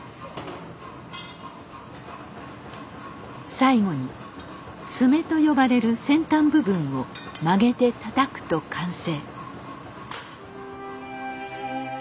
最後に「爪」と呼ばれる先端部分を曲げてたたくと完成。